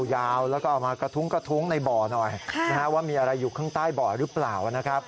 ยาวแล้วก็เอามากระทุ้งกระทุ้งในบ่อหน่อยว่ามีอะไรอยู่ข้างใต้บ่อหรือเปล่านะครับ